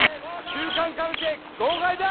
週刊カルチェ号外だ！